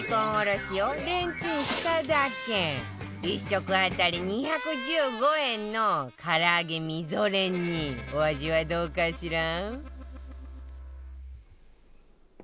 １食あたり２１５円の唐揚げみぞれ煮お味はどうかしら？